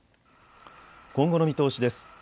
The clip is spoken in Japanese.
今後の見通しです。